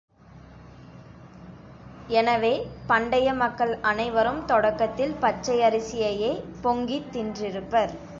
எனவே, பண்டைய மக்கள் அனைவரும் தொடக்கத்தில் பச்சையரிசியையே பொங்கித் தின்றிருப்பர்.